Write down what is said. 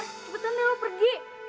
maaf maaf maaf cepetan deh lu pergi